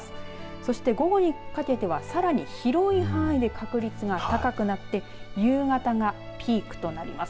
そして、午後にかけてはさらに広い範囲で確率が高くなって夕方がピークとなります。